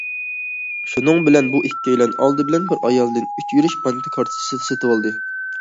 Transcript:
شۇنىڭ بىلەن بۇ ئىككىيلەن ئالدى بىلەن بىر ئايالدىن ئۈچ يۈرۈش بانكا كارتىسى سېتىۋالدى.